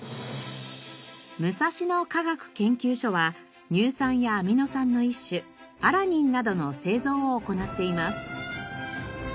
武蔵野化学研究所は乳酸やアミノ酸の一種アラニンなどの製造を行っています。